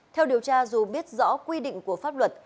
theo điều tra dù biết rõ quy định của pháp luật